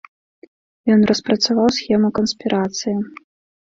Ён распрацаваў схему канспірацыі.